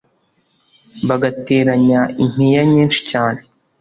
Bagateranya impiya nyinshi cyane